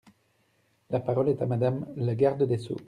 La parole est à Madame la garde des sceaux.